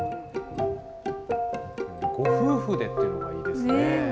ご夫婦でっていうのがいいですよね。